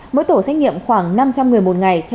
mỗi tổ xét nghiệm khoảng năm trăm linh người một ngày